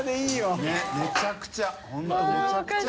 ねぇめちゃくちゃ。